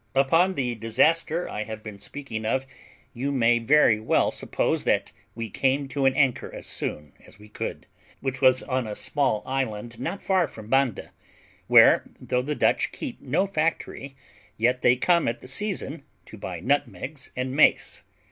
Upon the disaster I have been speaking of you may very well suppose that we came to an anchor as soon as we could, which was upon a small island not far from Banda, where, though the Dutch keep no factory, yet they come at the season to buy nutmegs and mace.